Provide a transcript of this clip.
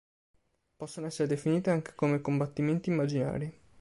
Possono essere definite anche come "combattimenti immaginari".